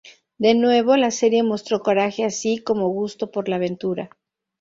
De nuevo la serie mostró coraje así como gusto por la aventura.